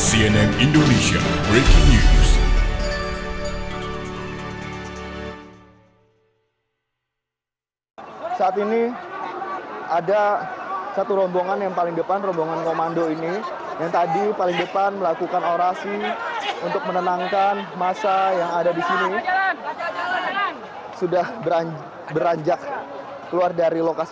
cnm indonesia breaking news